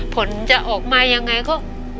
ผลจะออกมายังไงก็